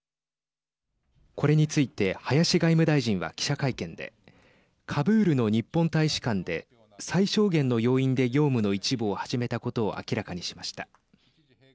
これについて林外務大臣は記者会見でカブールの日本大使館で最小限の要員で業務の一部を始めたことを明らかにしました。